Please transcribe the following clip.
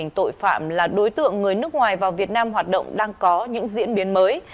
tình hình tội phạm là đối tượng người nước ngoài vào việt nam hoạt động đang có những diễn biến mới